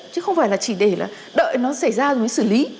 chứ không phải là chỉ để là đợi nó xảy ra rồi mới xử lý